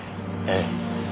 ええ。